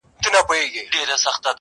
o نن پر ما، سبا پر تا!